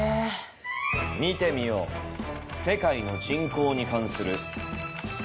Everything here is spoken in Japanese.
見てみよう世界の人口に関する。